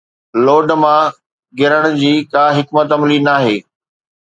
load مان گرڻ جي ڪا حڪمت عملي ناهي